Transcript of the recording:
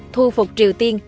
thu phục triều tiên